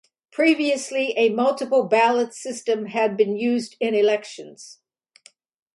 Previously, a multiple ballot system had been used in elections.